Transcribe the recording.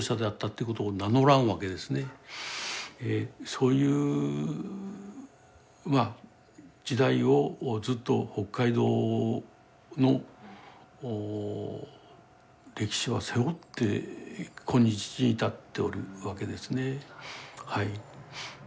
そういう時代をずっと北海道の歴史は背負って今日に至っておるわけですねはい。